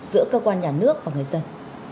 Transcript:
giữa cơ quan nhà nước và người dân